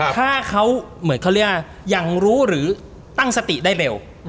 ถ้าเขาเหมือนเขาเรียกว่ายังรู้หรือตั้งสติได้เร็ว